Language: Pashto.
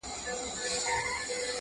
خو له سره ژوندون نه سو پیل کولای!!